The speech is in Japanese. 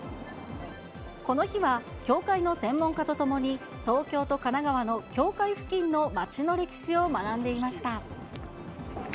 この日は、境界の専門家と共に、東京と神奈川の境界付近の町の歴史を学んでいました。